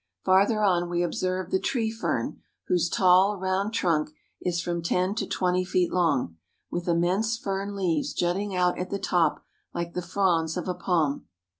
Farther on we observe the tree fern, whose tall, round trunk is from ten to twenty feet long, with immense fern leaves jutting out at the top like the fronds of a palm.